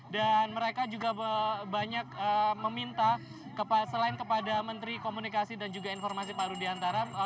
dan mereka juga banyak meminta selain kepada menteri komunikasi dan juga informasi paru diantara